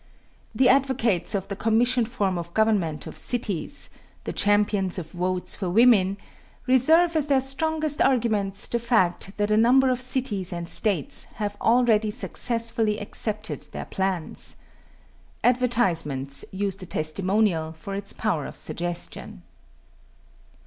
The advocates of the commission form of government of cities, the champions of votes for women, reserve as their strongest arguments the fact that a number of cities and states have already successfully accepted their plans. Advertisements use the testimonial for its power of suggestion.